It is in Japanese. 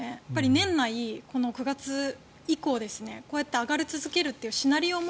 年内、９月以降こうやって上がり続けるというシナリオも